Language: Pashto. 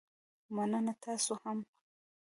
مننه، تاسو هم